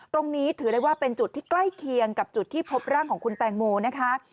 ตรงนี้ถือได้ว่าเป็นจุดที่ใกล้เคียงกับจุดที่พบร่างของคุณแตงโมนะคะ